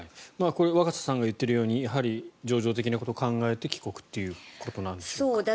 若狭さんが言っているように情状的なことを考えて帰国ということなんでしょうか。